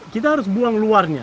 kita harus buang luarnya